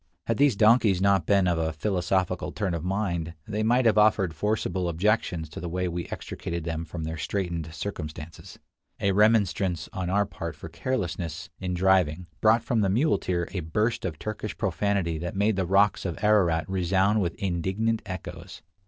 Had these donkeys not been of a philosophical turn of mind, they might have offered forcible objections to the way we extricated them from their straightened circumstances. A remonstrance on our part for carelessness in driving brought from the muleteer a burst of Turkish profanity that made the rocks of Ararat resound with indignant echoes.